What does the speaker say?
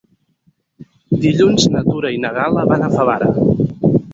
Dilluns na Tura i na Gal·la van a Favara.